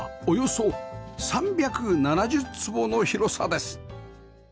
およそ３７０坪の広さです